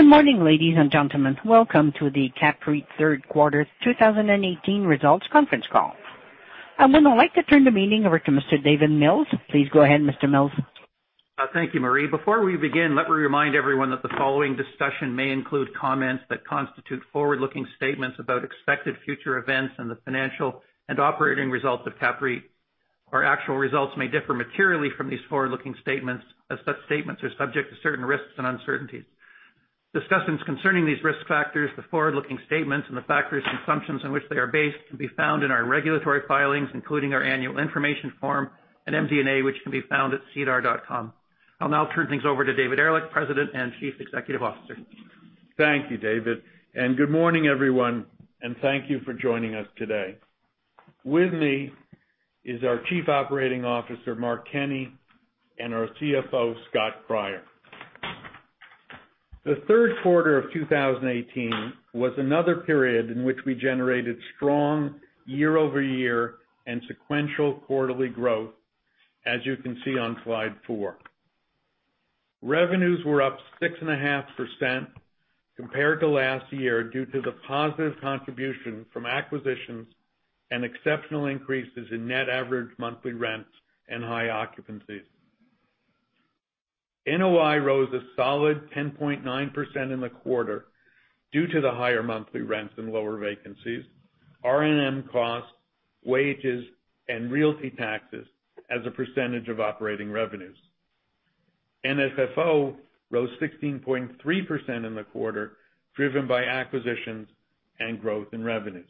Good morning, ladies and gentlemen. Welcome to the CAPREIT Third Quarter 2018 Results Conference Call. I would now like to turn the meeting over to Mr. David Mills. Please go ahead, Mr. Mills. Thank you, Marie. Before we begin, let me remind everyone that the following discussion may include comments that constitute forward-looking statements about expected future events and the financial and operating results of CAPREIT. Our actual results may differ materially from these forward-looking statements, as such statements are subject to certain risks and uncertainties. Discussions concerning these risk factors, the forward-looking statements and the factors and assumptions on which they are based, can be found in our regulatory filings, including our annual information form and MD&A, which can be found at SEDAR. I will now turn things over to David Ehrlich, President and Chief Executive Officer. Thank you, David, good morning, everyone, thank you for joining us today. With me is our Chief Operating Officer, Mark Kenney, our CFO, Scott Cryer. The third quarter of 2018 was another period in which we generated strong year-over-year and sequential quarterly growth, as you can see on slide four. Revenues were up 6.5% compared to last year, due to the positive contribution from acquisitions and exceptional increases in net average monthly rents and high occupancies. NOI rose a solid 10.9% in the quarter due to the higher monthly rents and lower vacancies, R&M costs, wages, and realty taxes as a percentage of operating revenues. FFO rose 16.3% in the quarter, driven by acquisitions and growth in revenues.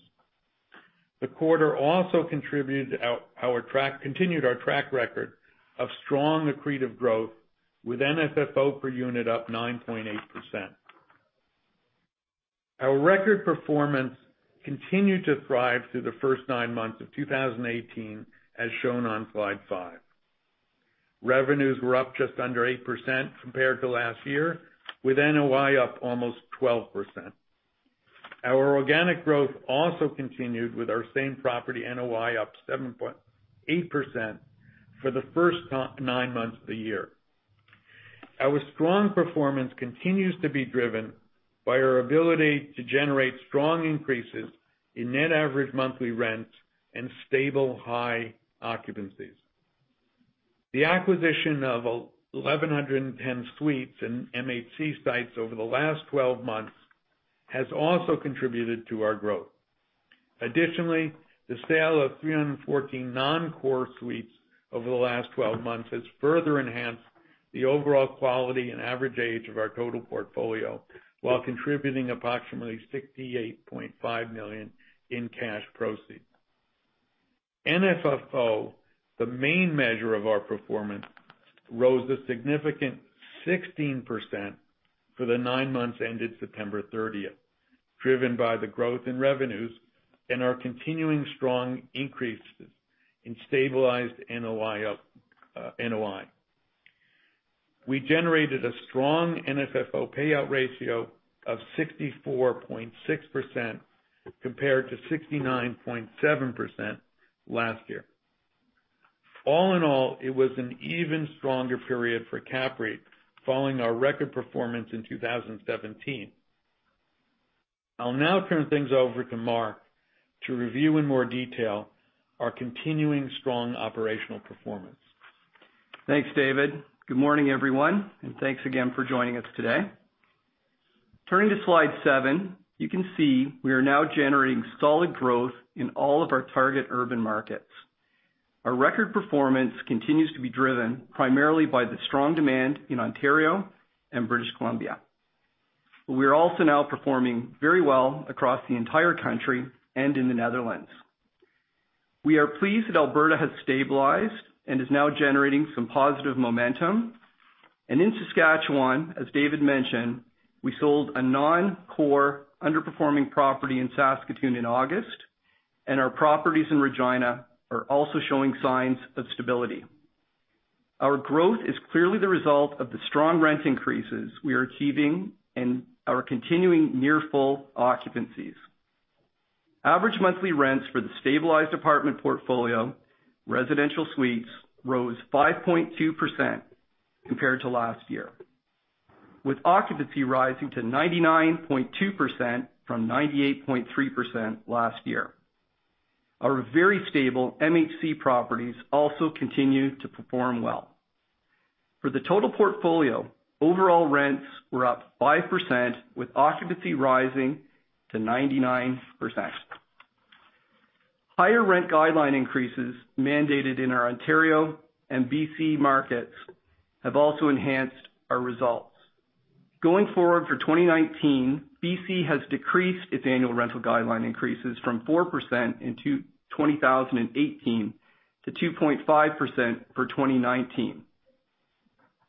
The quarter also continued our track record of strong accretive growth with FFO per unit up 9.8%. Our record performance continued to thrive through the first nine months of 2018, as shown on slide five. Revenues were up just under 8% compared to last year, with NOI up almost 12%. Our organic growth also continued with our same property NOI up 7.8% for the first nine months of the year. Our strong performance continues to be driven by our ability to generate strong increases in net average monthly rent and stable high occupancies. The acquisition of 1,110 suites and MHC sites over the last 12 months has also contributed to our growth. Additionally, the sale of 314 non-core suites over the last 12 months has further enhanced the overall quality and average age of our total portfolio, while contributing approximately 68.5 million in cash proceeds. FFO, the main measure of our performance, rose a significant 16% for the nine months ended September 30th, driven by the growth in revenues and our continuing strong increases in stabilized NOI. We generated a strong FFO payout ratio of 64.6%, compared to 69.7% last year. All in all, it was an even stronger period for CAPREIT following our record performance in 2017. I'll now turn things over to Mark to review in more detail our continuing strong operational performance. Thanks, David. Good morning, everyone, and thanks again for joining us today. Turning to slide seven, you can see we are now generating solid growth in all of our target urban markets. Our record performance continues to be driven primarily by the strong demand in Ontario and British Columbia. We are also now performing very well across the entire country and in the Netherlands. We are pleased that Alberta has stabilized and is now generating some positive momentum. In Saskatchewan, as David mentioned, we sold a non-core, underperforming property in Saskatoon in August, and our properties in Regina are also showing signs of stability. Our growth is clearly the result of the strong rent increases we are achieving and our continuing near full occupancies. Average monthly rents for the stabilized apartment portfolio, residential suites, rose 5.2% compared to last year, with occupancy rising to 99.2% from 98.3% last year. Our very stable MHC properties also continue to perform well. For the total portfolio, overall rents were up 5% with occupancy rising to 99%. Higher rent guideline increases mandated in our Ontario and BC markets have also enhanced our results. Going forward, for 2019, BC has decreased its annual rental guideline increases from 4% in 2018 to 2.5% for 2019.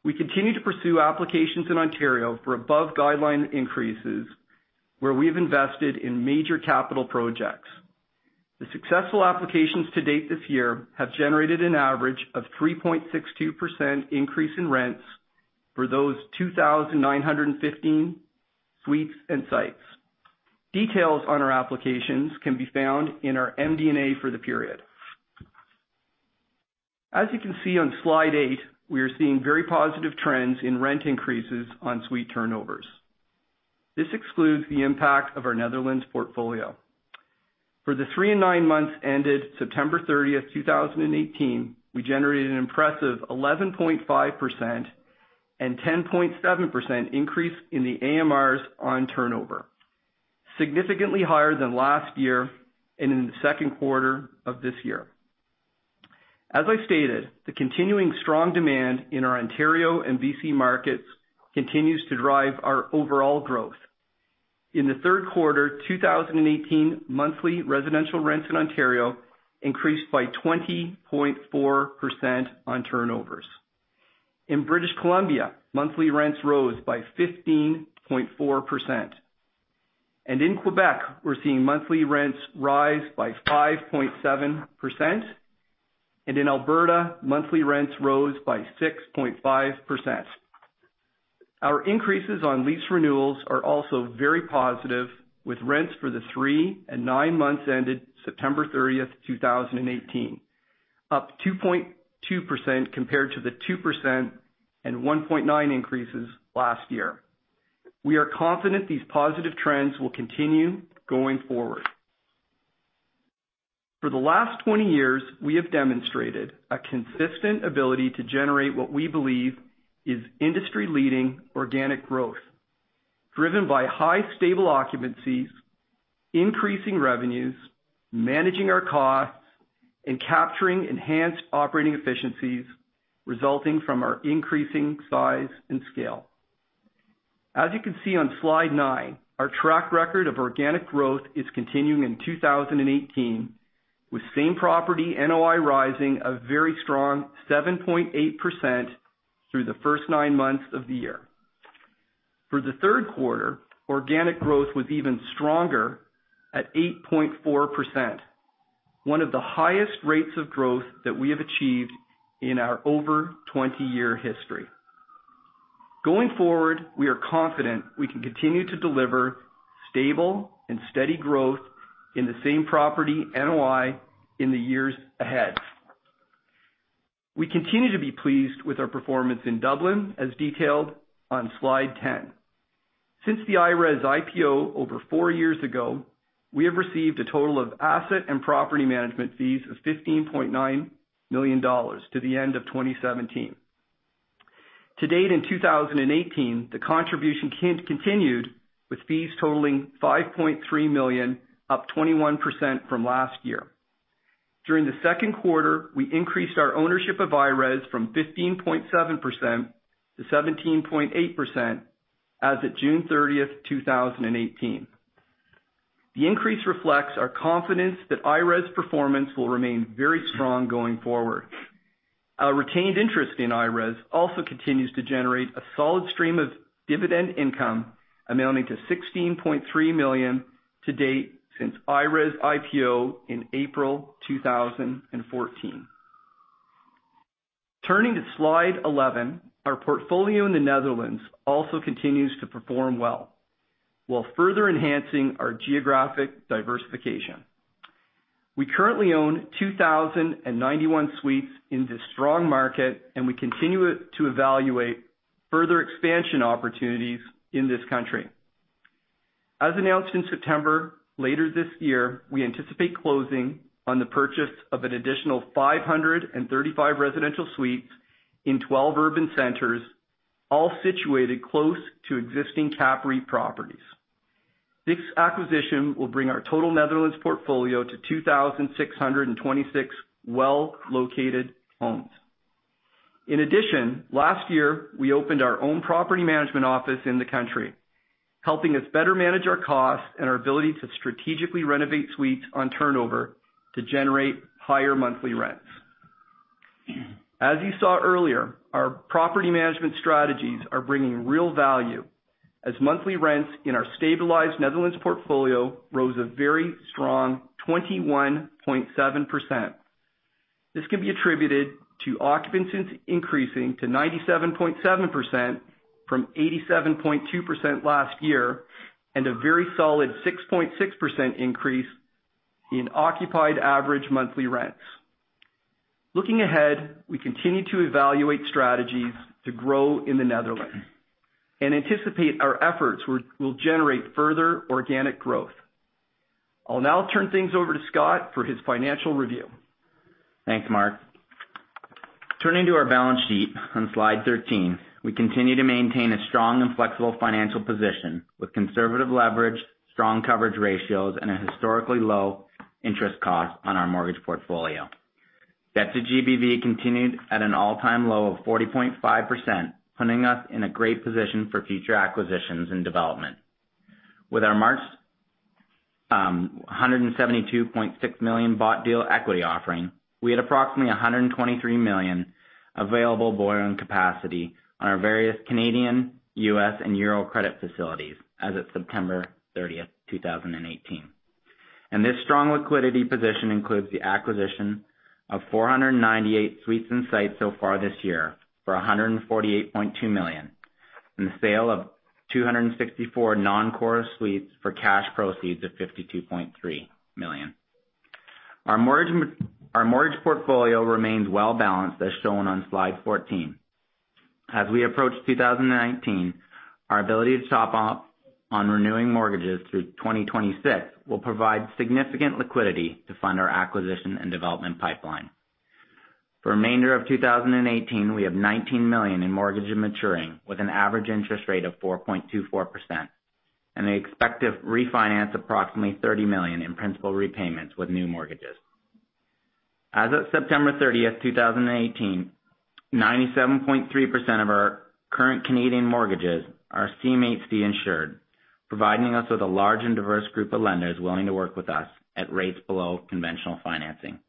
We continue to pursue applications in Ontario for above-guideline increases, where we have invested in major capital projects. The successful applications to date this year have generated an average of 3.62% increase in rents for those 2,915 suites and sites. Details on our applications can be found in our MD&A for the period. As you can see on slide eight, we are seeing very positive trends in rent increases on suite turnovers. This excludes the impact of our Netherlands portfolio. For the three and nine months ended September 30th, 2018, we generated an impressive 11.5% and 10.7% increase in the AMRs on turnover, significantly higher than last year and in the second quarter of this year. As I stated, the continuing strong demand in our Ontario and BC markets continues to drive our overall growth. In the third quarter 2018, monthly residential rents in Ontario increased by 20.4% on turnovers. In British Columbia, monthly rents rose by 15.4%. In Quebec, we're seeing monthly rents rise by 5.7%, and in Alberta, monthly rents rose by 6.5%. Our increases on lease renewals are also very positive, with rents for the three and nine months ended September 30th, 2018, up 2.2% compared to the 2% and 1.9% increases last year. We are confident these positive trends will continue going forward. For the last 20 years, we have demonstrated a consistent ability to generate what we believe is industry-leading organic growth, driven by high stable occupancies, increasing revenues, managing our costs, and capturing enhanced operating efficiencies resulting from our increasing size and scale. As you can see on slide nine, our track record of organic growth is continuing in 2018, with same property NOI rising a very strong 7.8% through the first nine months of the year. For the third quarter, organic growth was even stronger at 8.4%, one of the highest rates of growth that we have achieved in our over 20-year history. Going forward, we are confident we can continue to deliver stable and steady growth in the same property NOI in the years ahead. We continue to be pleased with our performance in Dublin as detailed on slide 10. Since the IRES IPO over four years ago, we have received a total of asset and property management fees of 15.9 million dollars to the end of 2017. To date, in 2018, the contribution continued with fees totaling 5.3 million, up 21% from last year. During the second quarter, we increased our ownership of IRES from 15.7% to 17.8% as of June 30th, 2018. The increase reflects our confidence that IRES performance will remain very strong going forward. Our retained interest in IRES also continues to generate a solid stream of dividend income amounting to CAD 16.3 million to date since IRES IPO in April 2014. Turning to slide 11, our portfolio in the Netherlands also continues to perform well while further enhancing our geographic diversification. We currently own 2,091 suites in this strong market, and we continue to evaluate further expansion opportunities in this country. As announced in September, later this year, we anticipate closing on the purchase of an additional 535 residential suites in 12 urban centers, all situated close to existing CAPREIT properties. This acquisition will bring our total Netherlands portfolio to 2,626 well-located homes. In addition, last year, we opened our own property management office in the country, helping us better manage our costs and our ability to strategically renovate suites on turnover to generate higher monthly rents. As you saw earlier, our property management strategies are bringing real value as monthly rents in our stabilized Netherlands portfolio rose a very strong 21.7%. This can be attributed to occupancies increasing to 97.7% from 87.2% last year, and a very solid 6.6% increase in occupied average monthly rents. Looking ahead, we continue to evaluate strategies to grow in the Netherlands, and anticipate our efforts will generate further organic growth. I'll now turn things over to Scott for his financial review. Thanks, Mark. Turning to our balance sheet on slide 13, we continue to maintain a strong and flexible financial position with conservative leverage, strong coverage ratios, and a historically low interest cost on our mortgage portfolio. Debt-to-GBV continued at an all-time low of 40.5%, putting us in a great position for future acquisitions and development. With our March 172.6 million bought deal equity offering, we had approximately 123 million available borrowing capacity on our various Canadian, U.S., and Euro credit facilities as of September 30th, 2018. This strong liquidity position includes the acquisition of 498 suites and sites so far this year for 148.2 million. The sale of 264 non-core suites for cash proceeds of 52.3 million. Our mortgage portfolio remains well-balanced, as shown on slide 14. As we approach 2019, our ability to top up on renewing mortgages through 2026 will provide significant liquidity to fund our acquisition and development pipeline. For the remainder of 2018, we have 19 million in mortgages maturing with an average interest rate of 4.24%. They expect to refinance approximately CAD 30 million in principal repayments with new mortgages. As of September 30th, 2018, 97.3% of our current Canadian mortgages are CMHC insured, providing us with a large and diverse group of lenders willing to work with us at rates below conventional financing.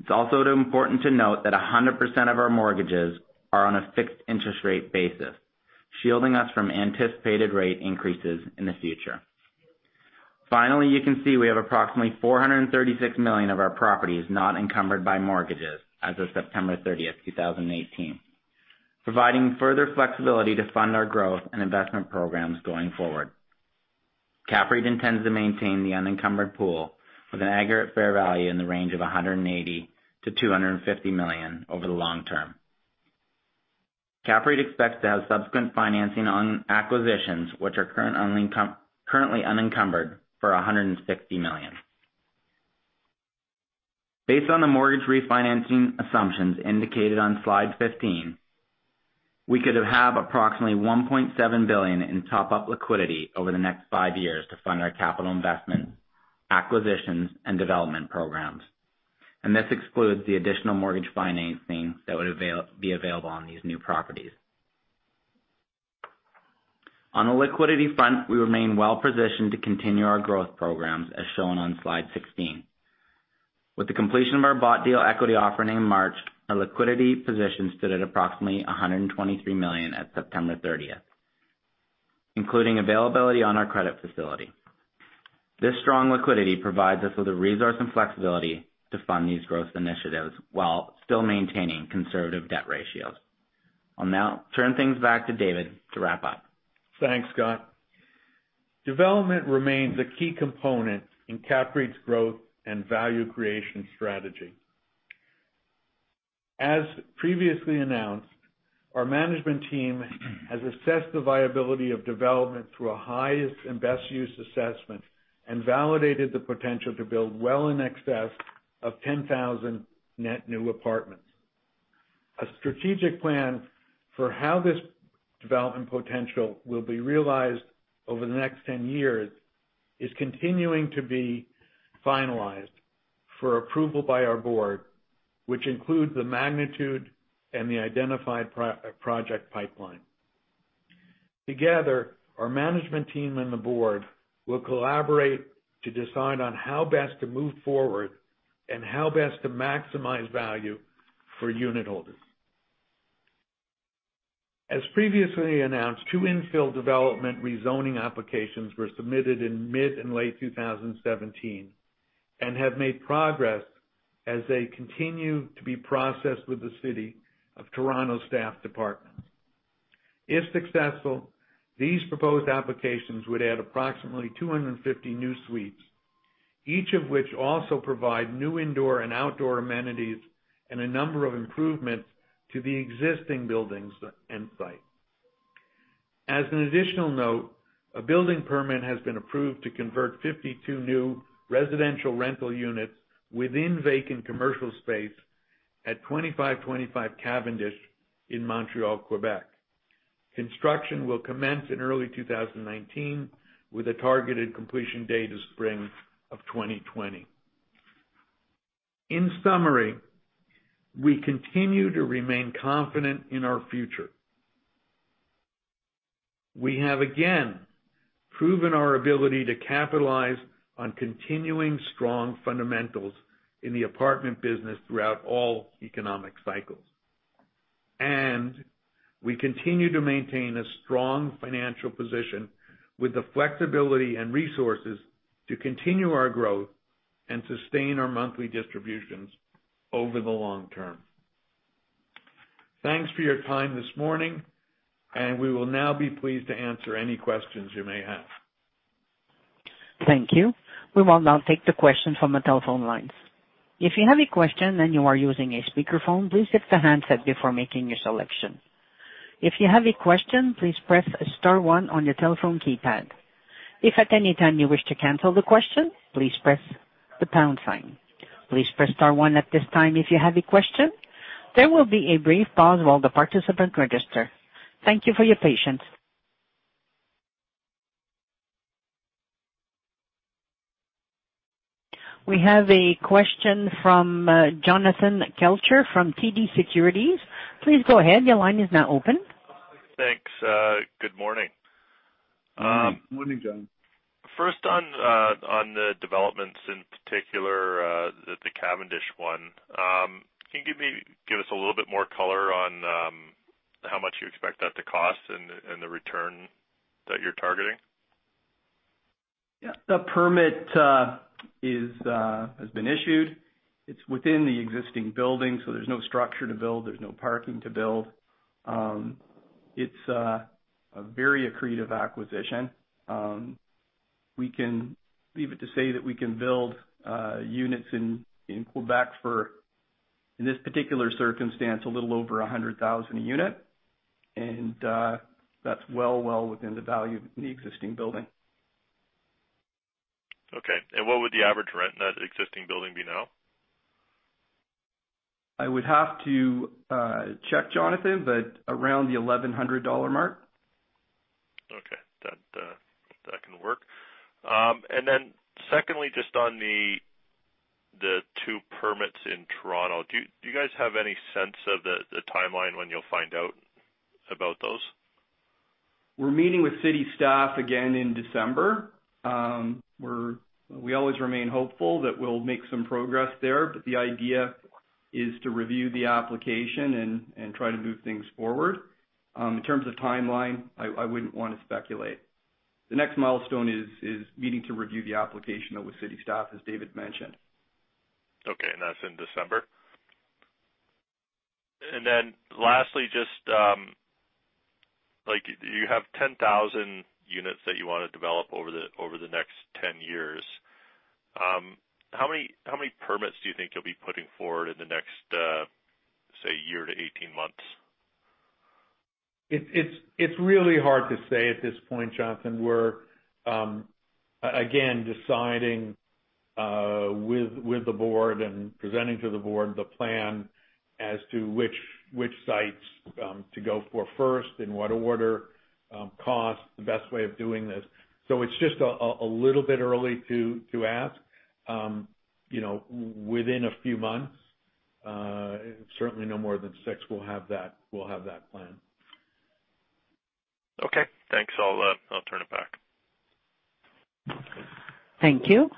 It's also important to note that 100% of our mortgages are on a fixed interest rate basis, shielding us from anticipated rate increases in the future. Finally, you can see we have approximately 436 million of our properties not encumbered by mortgages as of September 30th, 2018, providing further flexibility to fund our growth and investment programs going forward. CAPREIT intends to maintain the unencumbered pool with an aggregate fair value in the range of 180 million to 250 million over the long term. CAPREIT expects to have subsequent financing on acquisitions, which are currently unencumbered for 160 million. Based on the mortgage refinancing assumptions indicated on Slide 15, we could have approximately 1.7 billion in top-up liquidity over the next five years to fund our capital investment, acquisitions, and development programs. This excludes the additional mortgage financing that would be available on these new properties. On the liquidity front, we remain well-positioned to continue our growth programs, as shown on Slide 16. With the completion of our bought deal equity offering in March, our liquidity position stood at approximately 123 million at September 30th, including availability on our credit facility. This strong liquidity provides us with the resource and flexibility to fund these growth initiatives while still maintaining conservative debt ratios. I'll now turn things back to David to wrap up. Thanks, Scott. Development remains a key component in CAPREIT's growth and value creation strategy. As previously announced, our management team has assessed the viability of development through a highest and best use assessment and validated the potential to build well in excess of 10,000 net new apartments. A strategic plan for how this development potential will be realized over the next 10 years is continuing to be finalized for approval by our board, which includes the magnitude and the identified project pipeline. Together, our management team and the board will collaborate to decide on how best to move forward and how best to maximize value for unitholders. As previously announced, two infill development rezoning applications were submitted in mid and late 2017 and have made progress as they continue to be processed with the City of Toronto staff department. If successful, these proposed applications would add approximately 250 new suites, each of which also provide new indoor and outdoor amenities and a number of improvements to the existing buildings and site. As an additional note, a building permit has been approved to convert 52 new residential rental units within vacant commercial space at 2525 Cavendish in Montreal, Quebec. Construction will commence in early 2019 with a targeted completion date of spring of 2020. In summary, we continue to remain confident in our future. We have again proven our ability to capitalize on continuing strong fundamentals in the apartment business throughout all economic cycles. We continue to maintain a strong financial position with the flexibility and resources to continue our growth and sustain our monthly distributions over the long term. Thanks for your time this morning. We will now be pleased to answer any questions you may have. Thank you. We will now take the questions from the telephone lines. If you have a question and you are using a speakerphone, please lift the handset before making your selection. If you have a question, please press star one on your telephone keypad. If at any time you wish to cancel the question, please press the pound sign. Please press star one at this time if you have a question. There will be a brief pause while the participants register. Thank you for your patience. We have a question from Jonathan Kelcher from TD Securities. Please go ahead. Your line is now open. Thanks. Good morning. Morning, John. First on the developments, in particular, the Cavendish one. Can you give us a little bit more color on how much you expect that to cost and the return that you're targeting? The permit has been issued. It's within the existing building, so there's no structure to build, there's no parking to build. It's a very accretive acquisition. We can leave it to say that we can build units in Quebec for, in this particular circumstance, a little over 100,000 a unit. That's well within the value of the existing building. Okay. What would the average rent in that existing building be now? I would have to check, Jonathan, around the 1,100 dollar mark. Okay. That can work. Secondly, just on the two permits in Toronto, do you guys have any sense of the timeline when you'll find out about those? We're meeting with city staff again in December. We always remain hopeful that we'll make some progress there, the idea is to review the application and try to move things forward. In terms of timeline, I wouldn't want to speculate. The next milestone is meeting to review the application, though, with city staff, as David mentioned. Okay. That's in December. Lastly, you have 10,000 units that you want to develop over the next 10 years. How many permits do you think you'll be putting forward in the next, say, year to 18 months? It's really hard to say at this point, Jonathan. We're, again, deciding with the board and presenting to the board the plan as to which sites to go for first, in what order, cost, the best way of doing this. It's just a little bit early to ask. Within a few months, certainly no more than six, we'll have that plan. Okay, thanks. I'll turn it back. Thank you.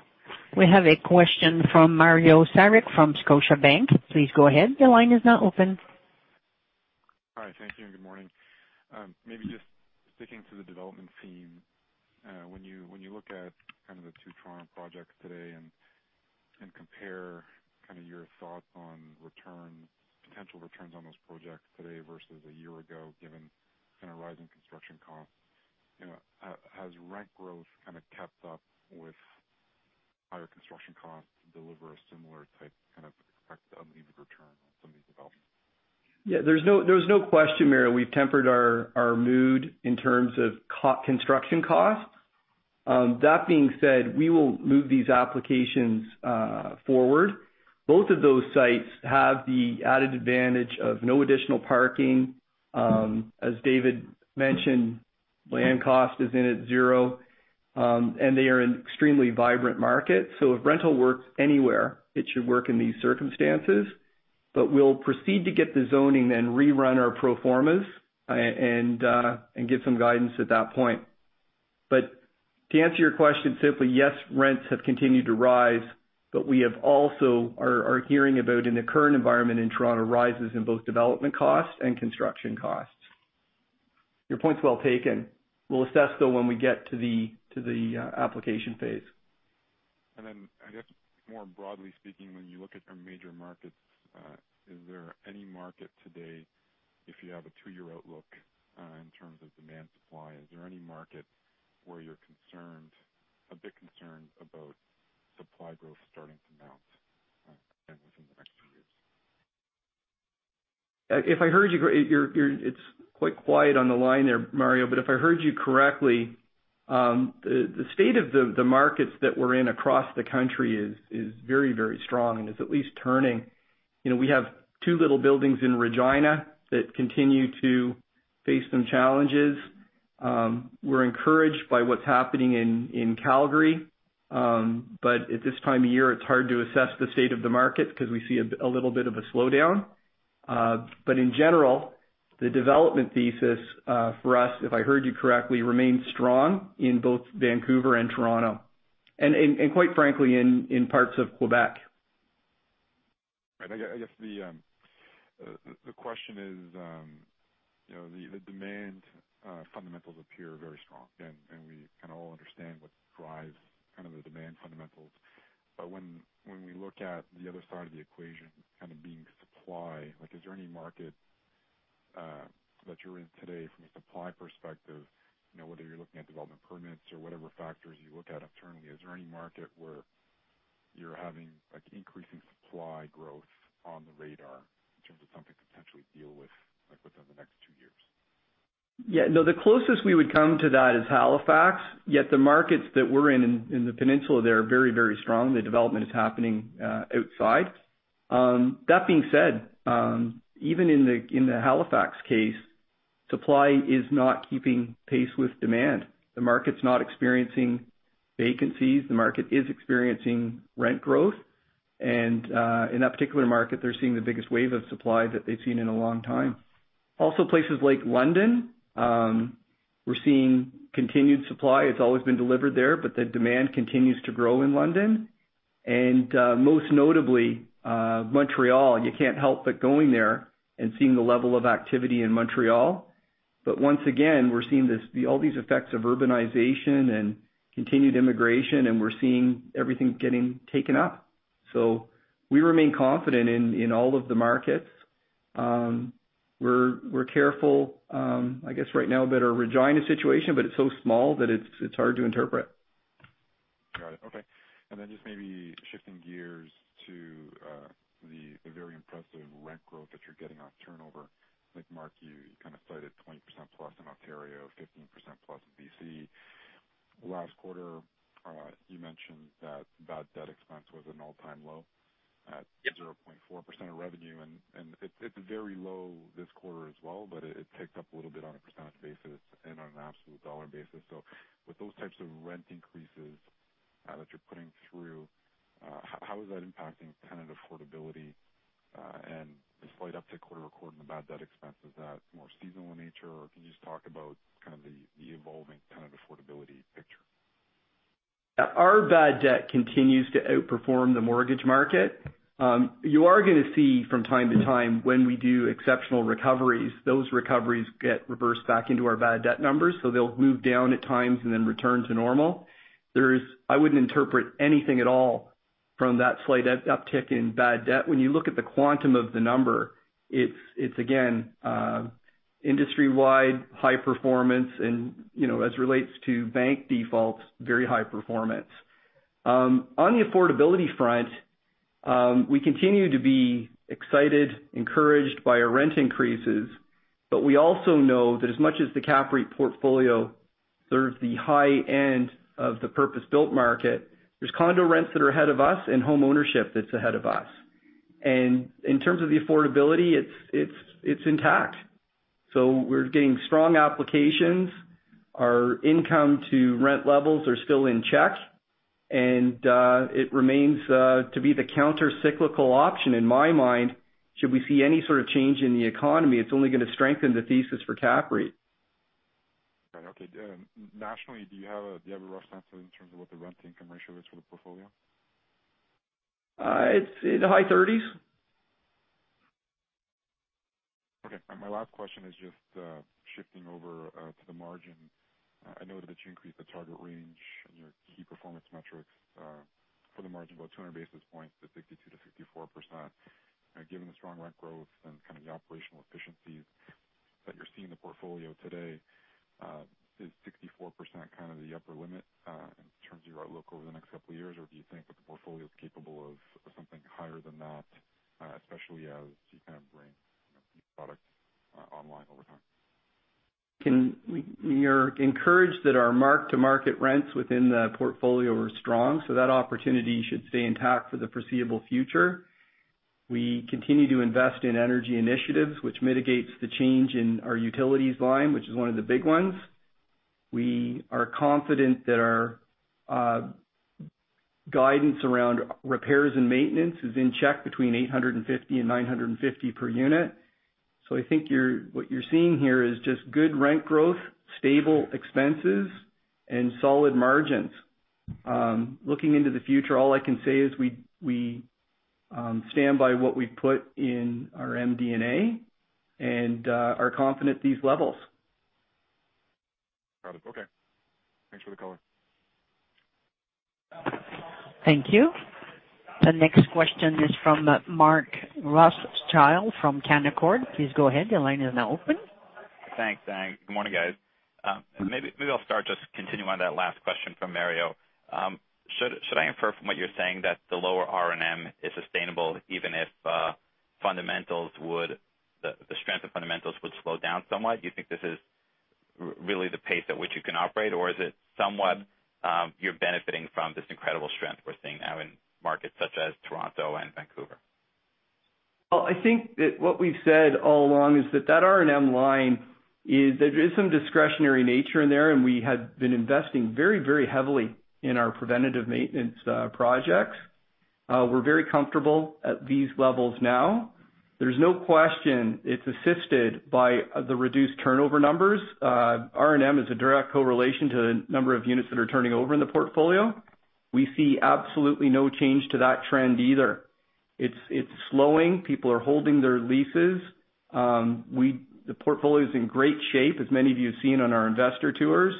We have a question from Mario Saric from Scotiabank. Please go ahead. Your line is now open. Hi. Thank you and good morning. Just sticking to the development theme. When you look at kind of the two Toronto projects today and compare kind of your thoughts on potential returns on those projects today versus a year ago, given kind of rising construction costs, has rent growth kind of kept up with higher construction costs to deliver a similar type kind of expected unlevered return on some of these developments? There's no question, Mario. We've tempered our mood in terms of construction costs. That being said, we will move these applications forward. Both of those sites have the added advantage of no additional parking. As David mentioned, land cost is in at zero. They are an extremely vibrant market, so if rental works anywhere, it should work in these circumstances. We'll proceed to get the zoning rerun our pro formas and get some guidance at that point. To answer your question simply, yes, rents have continued to rise. We also are hearing about, in the current environment in Toronto, rises in both development costs and construction costs. Your point's well taken. We'll assess, though, when we get to the application phase. I guess more broadly speaking, when you look at your major markets, is there any market today, if you have a two-year outlook in terms of demand supply, is there any market where you're a bit concerned about supply growth starting to mount again within the next few years? If I heard you, it's quite quiet on the line there, Mario, if I heard you correctly, the state of the markets that we're in across the country is very strong and is at least turning. We have two little buildings in Regina that continue to face some challenges. We're encouraged by what's happening in Calgary. At this time of year, it's hard to assess the state of the market because we see a little bit of a slowdown. In general, the development thesis for us, if I heard you correctly, remains strong in both Vancouver and Toronto, and quite frankly, in parts of Quebec. I guess the question is, the demand fundamentals appear very strong, we kind of all understand what drives kind of the demand fundamentals. When we look at the other side of the equation kind of being supply, is there any market that you're in today from a supply perspective, whether you're looking at development permits or whatever factors you look at internally, is there any market where you're having increasing supply growth on the radar in terms of something to potentially deal with, like within the next two years? The closest we would come to that is Halifax. The markets that we're in the peninsula there are very strong. The development is happening outside. That being said, even in the Halifax case, supply is not keeping pace with demand. The market's not experiencing vacancies. The market is experiencing rent growth. In that particular market, they're seeing the biggest wave of supply that they've seen in a long time. Places like London, we're seeing continued supply. It's always been delivered there, but the demand continues to grow in London. Most notably, Montreal. You can't help but go in there and see the level of activity in Montreal. But once again, we're seeing all these effects of urbanization and continued immigration, and we're seeing everything getting taken up. We remain confident in all of the markets. We're careful, I guess right now, about our Regina situation, but it's so small that it's hard to interpret. Got it. Okay. Just maybe shifting gears to the very impressive rent growth that you're getting on turnover. I think, Mark, you cited 20%+ in Ontario, 15%+ in B.C. Last quarter, you mentioned that bad debt expense was an all-time low at- Yes 0.4% of revenue, it's very low this quarter as well, but it ticked up a little bit on a percentage basis and on an absolute dollar basis. With those types of rent increases that you're putting through, how is that impacting tenant affordability? The slight uptick quarter-over-quarter in the bad debt expense, is that more seasonal in nature, or can you just talk about kind of the evolving tenant affordability picture? Our bad debt continues to outperform the mortgage market. You are going to see from time to time when we do exceptional recoveries, those recoveries get reversed back into our bad debt numbers. They'll move down at times and then return to normal. I wouldn't interpret anything at all from that slight uptick in bad debt. When you look at the quantum of the number, it's, again, industry-wide high performance and, as it relates to bank defaults, very high performance. On the affordability front, we continue to be excited, encouraged by our rent increases, but we also know that as much as the CAPREIT portfolio serves the high end of the purpose-built market, there's condo rents that are ahead of us and homeownership that's ahead of us. In terms of the affordability, it's intact. We're getting strong applications. Our income-to-rent levels are still in check. It remains to be the countercyclical option in my mind. Should we see any sort of change in the economy, it's only going to strengthen the thesis for CAPREIT. Okay. Nationally, do you have a rough sense in terms of what the rent-to-income ratio is for the portfolio? It's in the high 30s. Okay. My last question is just shifting over to the margin. I noted that you increased the target range in your key performance metrics for the margin, about 200 basis points to 62%-64%. Given the strong rent growth and kind of the operational efficiencies that you're seeing in the portfolio today, is 64% kind of the upper limit in terms of your outlook over the next couple of years? Do you think that the portfolio is capable of something higher than that, especially as you kind of bring new product online over time? We are encouraged that our mark-to-market rents within the portfolio are strong, so that opportunity should stay intact for the foreseeable future. We continue to invest in energy initiatives, which mitigates the change in our utilities line, which is one of the big ones. We are confident that our guidance around repairs and maintenance is in check between 850 and 950 per unit. I think what you're seeing here is just good rent growth, stable expenses, and solid margins. Looking into the future, all I can say is we stand by what we've put in our MD&A and are confident at these levels. Got it. Okay. Thanks for the color. Thank you. The next question is from Mark Rothschild from Canaccord. Please go ahead. The line is now open. Thanks. Good morning, guys. Maybe I'll start just continuing on that last question from Mario. Should I infer from what you're saying that the lower R&M is sustainable even if the strength of fundamentals would slow down somewhat? Do you think this is really the pace at which you can operate, or is it somewhat you're benefiting from this incredible strength we're seeing now in markets such as Toronto and Vancouver? Well, I think that what we've said all along is that that R&M line is, there is some discretionary nature in there, and we had been investing very heavily in our preventative maintenance projects. We're very comfortable at these levels now. There's no question it's assisted by the reduced turnover numbers. R&M is a direct correlation to the number of units that are turning over in the portfolio. We see absolutely no change to that trend either. It's slowing. People are holding their leases. The portfolio's in great shape, as many of you have seen on our investor tours.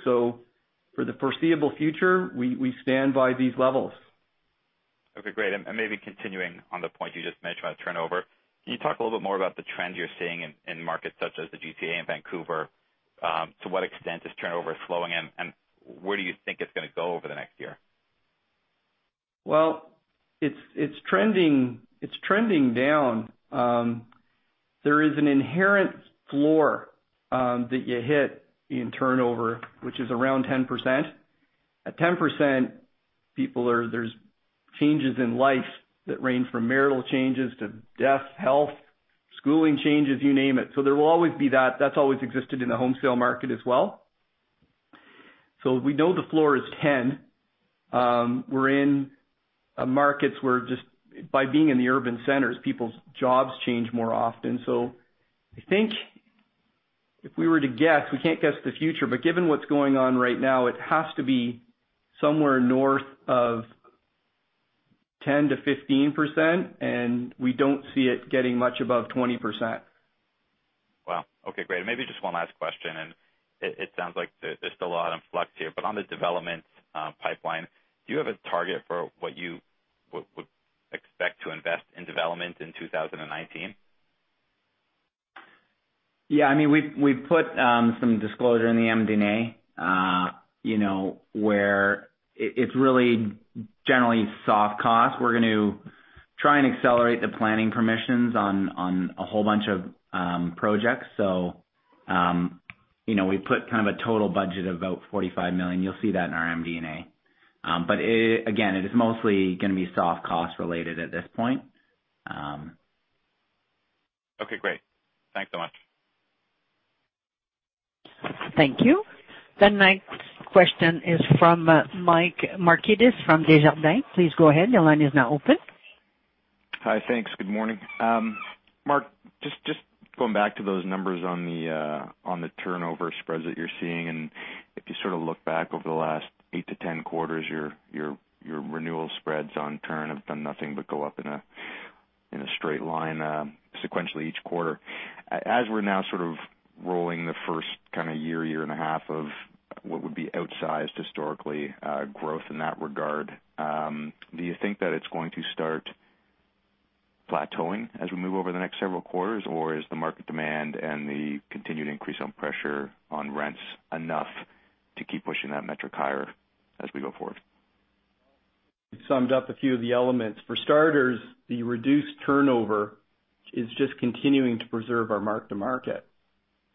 For the foreseeable future, we stand by these levels. Okay, great. Maybe continuing on the point you just mentioned about turnover, can you talk a little bit more about the trend you're seeing in markets such as the GTA and Vancouver? To what extent is turnover slowing, and where do you think it's going to go over the next year? Well, it's trending down. There is an inherent floor that you hit in turnover, which is around 10%. At 10%, there's changes in life that range from marital changes to death, health, schooling changes, you name it. There will always be that. That's always existed in the home sale market as well. We know the floor is 10. We're in markets where just by being in the urban centers, people's jobs change more often. I think if we were to guess, we can't guess the future, but given what's going on right now, it has to be somewhere north of 10%-15%, and we don't see it getting much above 20%. Wow. Okay, great. Maybe just one last question, and it sounds like there's still a lot in flux here, but on the development pipeline, do you have a target for what you would expect to invest in development in 2019? Yeah. We've put some disclosure in the MD&A, where it's really generally soft cost. We're going to try and accelerate the planning permissions on a whole bunch of projects. We put kind of a total budget of about 45 million. You'll see that in our MD&A. Again, it is mostly going to be soft cost related at this point. Okay, great. Thanks so much. Thank you. The next question is from Michael Markidis from Desjardins. Please go ahead. Your line is now open. Hi, thanks. Good morning. Mark, just going back to those numbers on the turnover spreads that you're seeing, if you sort of look back over the last eight to 10 quarters, your renewal spreads on turn have done nothing but go up in a straight line sequentially each quarter. As we're now sort of rolling the first year and a half of what would be outsized historically growth in that regard, do you think that it's going to start plateauing as we move over the next several quarters? Or is the market demand and the continued increase on pressure on rents enough to keep pushing that metric higher as we go forward? Summed up a few of the elements. For starters, the reduced turnover is just continuing to preserve our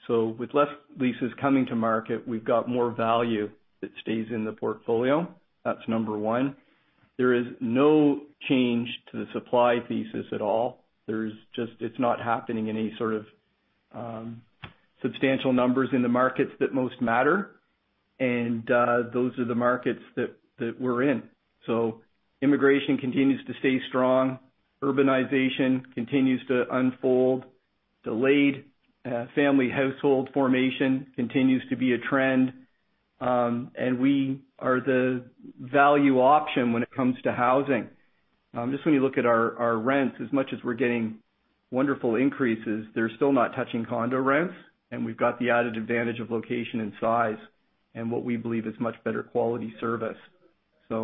mark-to-market. With less leases coming to market, we've got more value that stays in the portfolio. That's number 1. There is no change to the supply thesis at all. It's not happening in any sort of substantial numbers in the markets that most matter, and those are the markets that we're in. Immigration continues to stay strong. Urbanization continues to unfold. Delayed family household formation continues to be a trend. We are the value option when it comes to housing. Just when you look at our rents, as much as we're getting wonderful increases, they're still not touching condo rents, and we've got the added advantage of location and size and what we believe is much better quality service. Okay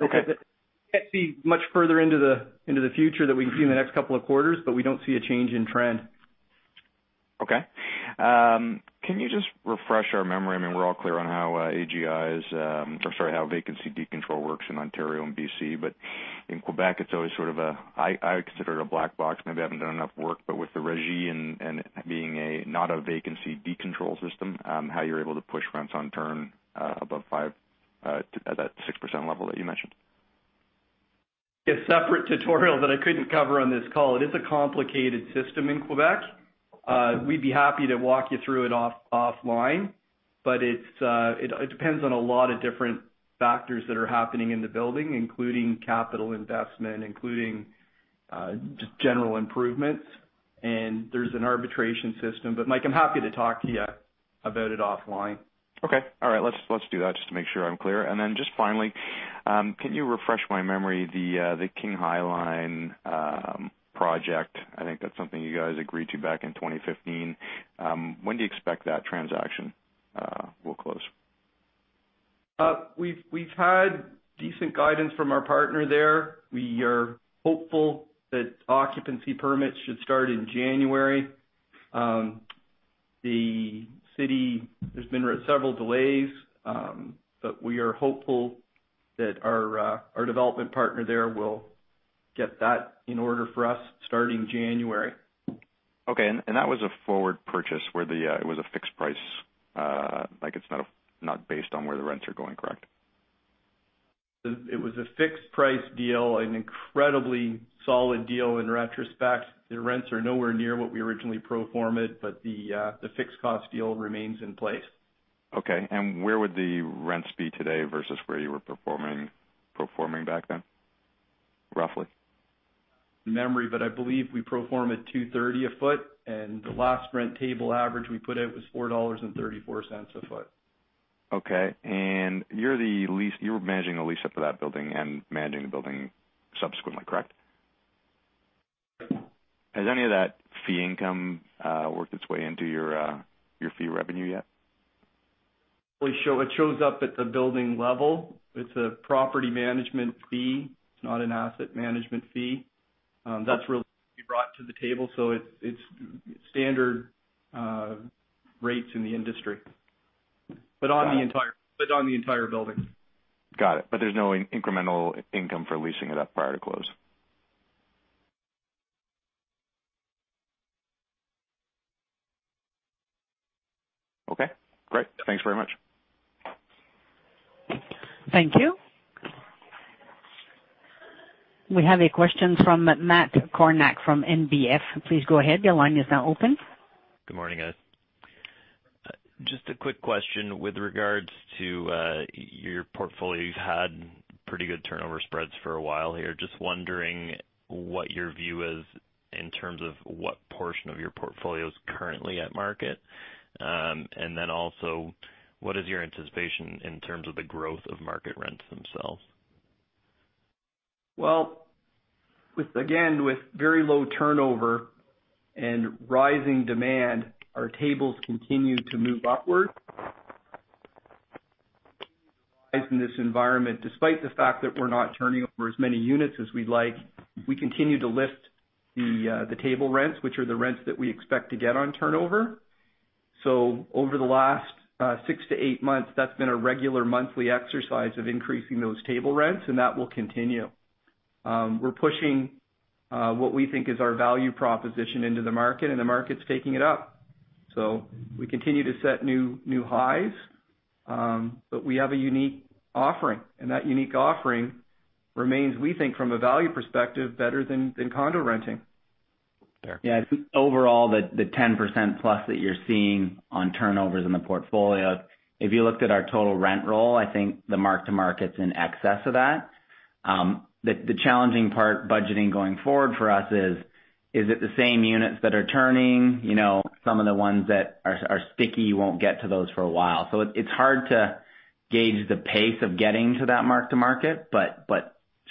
We can't see much further into the future that we can see in the next couple of quarters, we don't see a change in trend. Okay. Can you just refresh our memory? We're all clear on how AGI, how vacancy decontrol works in Ontario and BC, in Quebec, it's always sort of a, I consider it a black box. Maybe I haven't done enough work, with the regime and it being a not a vacancy decontrol system, how you're able to push rents on turn above five, at that 6% level that you mentioned. A separate tutorial that I couldn't cover on this call. It is a complicated system in Quebec. We'd be happy to walk you through it offline. It depends on a lot of different factors that are happening in the building, including capital investment, including just general improvements. There's an arbitration system. Mike, I'm happy to talk to you about it offline. Okay. All right. Let's do that just to make sure I'm clear. Just finally, can you refresh my memory, the King High Line project, I think that's something you guys agreed to back in 2015. When do you expect that transaction will close? We've had decent guidance from our partner there. We are hopeful that occupancy permits should start in January. The city, there's been several delays, but we are hopeful that our development partner there will get that in order for us starting January. Okay. That was a forward purchase where it was a fixed price, like it's not based on where the rents are going, correct? It was a fixed price deal, an incredibly solid deal in retrospect. The rents are nowhere near what we originally pro forma'd, but the fixed cost deal remains in place. Okay. Where would the rents be today versus where you were performing back then, roughly? Memory, I believe we pro forma'd 2.30 a foot, and the last rent table average we put out was 4.34 dollars a foot. Okay. You're managing the lease up for that building and managing the building subsequently, correct? Correct. Has any of that fee income worked its way into your fee revenue yet? It shows up at the building level. It's a property management fee. It's not an asset management fee. That's really what we brought to the table. It's standard rates in the industry. On the entire building. Got it. There's no incremental income for leasing it up prior to close. Okay, great. Thanks very much. Thank you. We have a question from Matt Kornack from NBF. Please go ahead. Your line is now open. Good morning, guys. Just a quick question with regards to your portfolio. You've had pretty good turnover spreads for a while here. Just wondering what your view is in terms of what portion of your portfolio is currently at market. And then also, what is your anticipation in terms of the growth of market rents themselves? Again, with very low turnover and rising demand, our tables continue to move upward. In this environment, despite the fact that we're not turning over as many units as we'd like, we continue to lift the table rents, which are the rents that we expect to get on turnover. Over the last six to eight months, that's been a regular monthly exercise of increasing those table rents, and that will continue. We're pushing what we think is our value proposition into the market, and the market's taking it up. We continue to set new highs. We have a unique offering, and that unique offering remains, we think, from a value perspective, better than condo renting. I think overall the 10% plus that you're seeing on turnovers in the portfolio, if you looked at our total rent roll, I think the mark-to-market's in excess of that. The challenging part budgeting going forward for us is it the same units that are turning? Some of the ones that are sticky, you won't get to those for a while. It's hard to gauge the pace of getting to that mark-to-market, but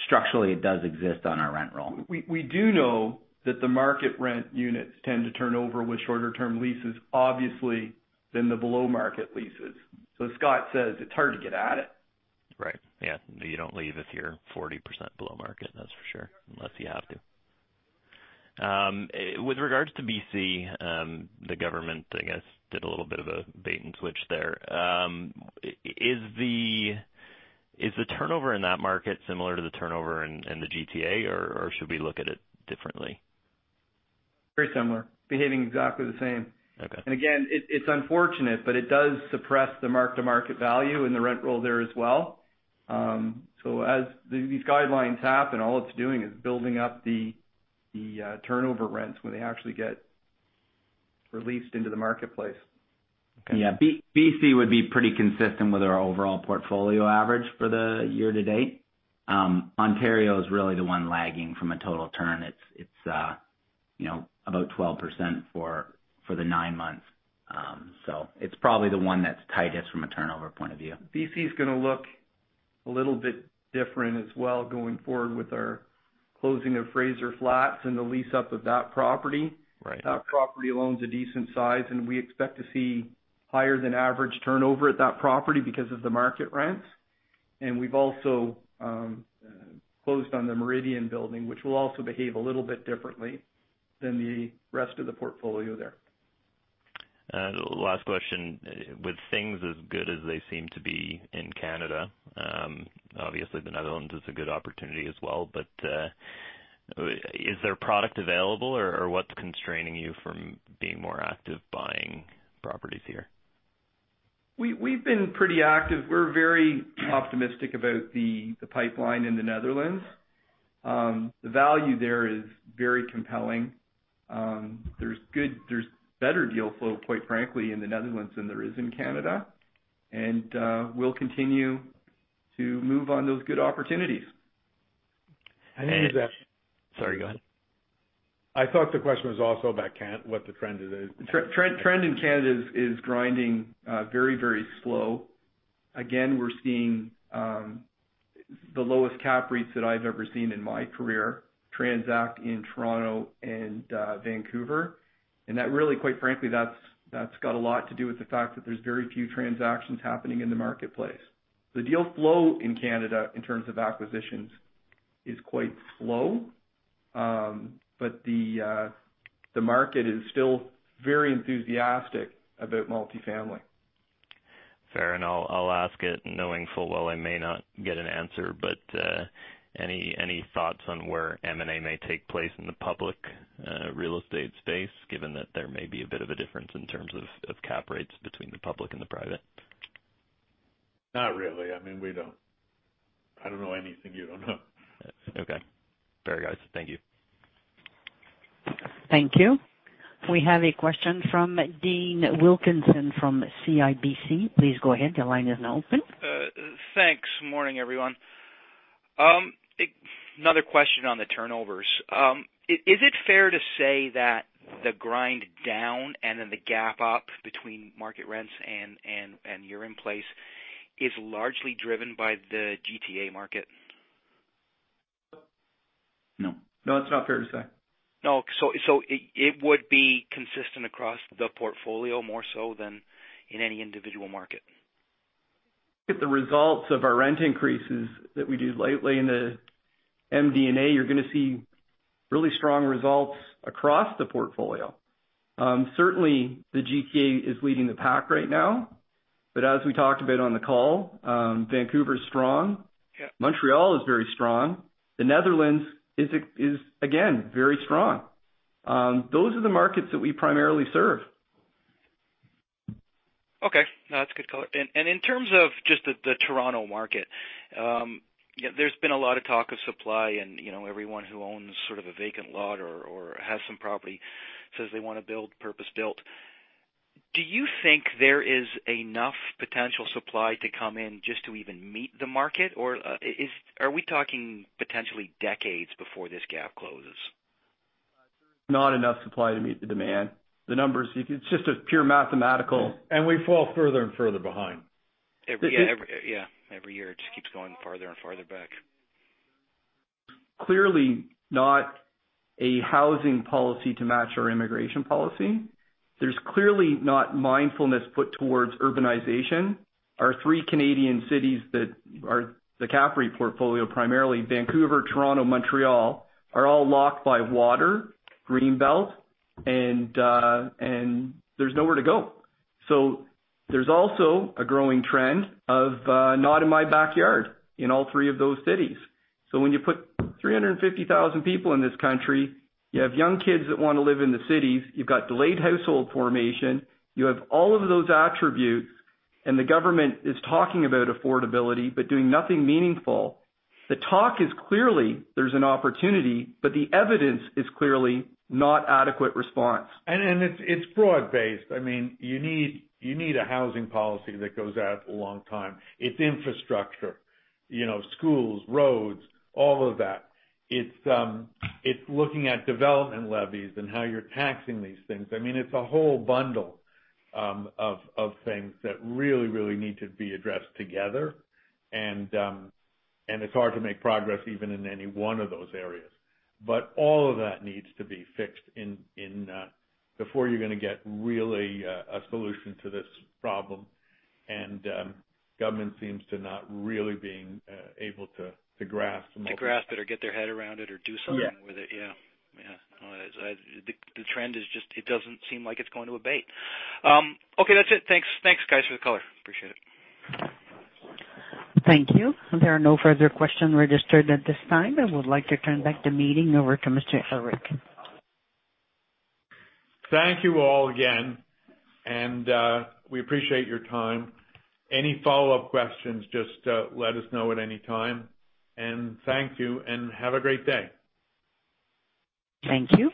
structurally, it does exist on our rent roll. We do know that the market rent units tend to turn over with shorter-term leases, obviously, than the below-market leases. As Scott says, it's hard to get at it. Right. Yeah. You don't leave if you're 40% below market, that's for sure, unless you have to. With regards to BC, the government, I guess, did a little bit of a bait and switch there. Is the turnover in that market similar to the turnover in the GTA, or should we look at it differently? Very similar. Behaving exactly the same. Okay. Again, it's unfortunate, it does suppress the mark-to-market value in the rent roll there as well. As these guidelines happen, all it's doing is building up the turnover rents when they actually get released into the marketplace. Okay. Yeah. BC would be pretty consistent with our overall portfolio average for the year to date. Ontario is really the one lagging from a total turn. It's about 12% for the nine months. It's probably the one that's tightest from a turnover point of view. B.C. is going to look a little bit different as well going forward with our closing of Fraser Flats and the lease-up of that property. Right. That property alone is a decent size, and we expect to see higher than average turnover at that property because of the market rents. We've also closed on The Meridian building, which will also behave a little bit differently than the rest of the portfolio there. Last question. With things as good as they seem to be in Canada, obviously the Netherlands is a good opportunity as well, but is there product available, or what's constraining you from being more active buying properties here? We've been pretty active. We're very optimistic about the pipeline in the Netherlands. The value there is very compelling. There's better deal flow, quite frankly, in the Netherlands than there is in Canada. We'll continue to move on those good opportunities. And- Sorry, go ahead. I thought the question was also about what the trend is. Trend in Canada is grinding very slow. Again, we're seeing the lowest cap rates that I've ever seen in my career transact in Toronto and Vancouver. That really, quite frankly, that's got a lot to do with the fact that there's very few transactions happening in the marketplace. The deal flow in Canada, in terms of acquisitions, is quite slow. The market is still very enthusiastic about multifamily. Fair enough. I'll ask it knowing full well I may not get an answer, any thoughts on where M&A may take place in the public real estate space, given that there may be a bit of a difference in terms of cap rates between the public and the private? Not really. I don't know anything you don't know. Okay. Fair, guys. Thank you. Thank you. We have a question from Dean Wilkinson from CIBC. Please go ahead. Your line is now open. Thanks. Morning, everyone. Another question on the turnovers. Is it fair to say that the grind down and then the gap up between market rents and year-in-place is largely driven by the GTA market? No. It's not fair to say. No. It would be consistent across the portfolio, more so than in any individual market? If the results of our rent increases that we do lately in the MD&A, you're going to see really strong results across the portfolio. Certainly, the GTA is leading the pack right now. As we talked about on the call, Vancouver's strong. Yeah. Montreal is very strong. The Netherlands is, again, very strong. Those are the markets that we primarily serve. Okay. No, that's a good color. In terms of just the Toronto market, there's been a lot of talk of supply and everyone who owns sort of a vacant lot or has some property says they want to build purpose-built. Do you think there is enough potential supply to come in just to even meet the market, or are we talking potentially decades before this gap closes? Not enough supply to meet the demand. The numbers, it's just a pure mathematical- We fall further and further behind. Every year. It just keeps going farther and farther back. Clearly not a housing policy to match our immigration policy. There's clearly not mindfulness put towards urbanization. Our three Canadian cities that are the CAPREIT portfolio, primarily Vancouver, Toronto, Montreal, are all locked by water, greenbelt, and there's nowhere to go. There's also a growing trend of not in my backyard in all three of those cities. When you put 350,000 people in this country, you have young kids that want to live in the cities, you've got delayed household formation, you have all of those attributes, and the government is talking about affordability but doing nothing meaningful. The talk is clearly there's an opportunity, but the evidence is clearly not adequate response. It's broad-based. You need a housing policy that goes out a long time. It's infrastructure, schools, roads, all of that. It's looking at development levies and how you're taxing these things. It's a whole bundle of things that really need to be addressed together. It's hard to make progress even in any one of those areas. All of that needs to be fixed before you're going to get really a solution to this problem. Government seems to not really being able to grasp the moment. To grasp it or get their head around it or do something with it. Yeah. Yeah. The trend is just, it doesn't seem like it's going to abate. Okay, that's it. Thanks, guys, for the color. Appreciate it. Thank you. There are no further questions registered at this time. I would like to turn back the meeting over to Mr. Ehrlich. Thank you all again, we appreciate your time. Any follow-up questions, just let us know at any time. Thank you, have a great day. Thank you.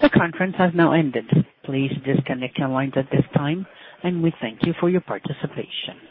The conference has now ended. Please disconnect your lines at this time, we thank you for your participation.